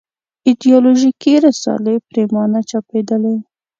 ایدیالوژیکې رسالې پرېمانه چاپېدلې.